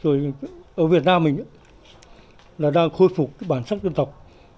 rồi ở việt nam mình là đang khôi phục cái bản sắc dân tộc